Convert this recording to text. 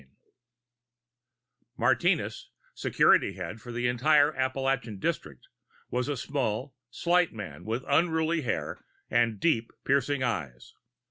XIV Martinez, security head for the entire Appalachia district, was a small, slight man with unruly hair and deep, piercing eyes.